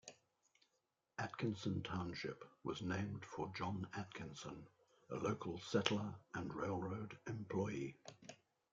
Atkinson Township was named for John Atkinson, a local settler and railroad employee.